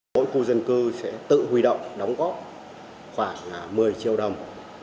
mỗi khu dân cư sẽ tự huy động đóng góp khoảng một mươi triệu đồng